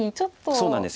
そうなんです。